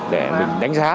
để mình đánh giá